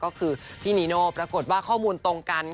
ก็คือพี่นีโน่ปรากฏว่าข้อมูลตรงกัน